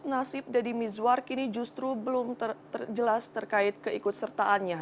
nasib deddy mizwar kini justru belum jelas terkait keikutsertaannya